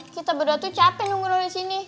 kita berdua tuh capek nungguin orang disini